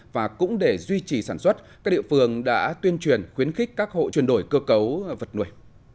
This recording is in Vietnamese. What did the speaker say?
và cũng để duy trì sản xuất các địa phương đã tuyên truyền khuyến khích các hộ chuyển đổi cơ cấu vật nuôi